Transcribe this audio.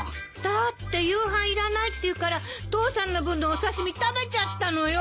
だって夕飯いらないって言うから父さんの分のお刺し身食べちゃったのよ！